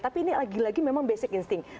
tapi ini lagi lagi memang basic instinct